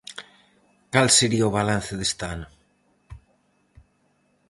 Cal sería o balance deste ano?